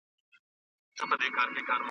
د زلمیو شپو مستي مي هري وني ته ورکړې .